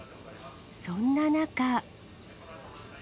そんな中。